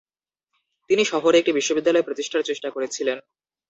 তিনি শহরে একটি বিশ্ববিদ্যালয় প্রতিষ্ঠার চেষ্টা করেছিলেন।